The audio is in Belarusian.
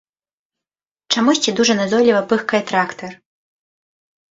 Чамусьці дужа назойліва пыхкае трактар.